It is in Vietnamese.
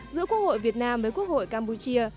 giữa quốc hội việt nam với quốc hội campuchia